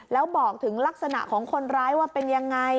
แล้วบอกถึงลักษณะของคนร้ายว่าเป็นยังไง